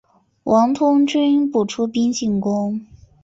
王通均不出兵进攻。